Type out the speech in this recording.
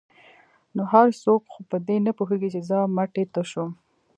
ـ نو هر څوک خو په دې نه پوهېږي چې زه مټۍ تشوم.